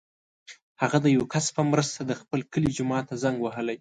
هغه د یو کس په مرسته د خپل کلي جومات ته زنګ وهلی.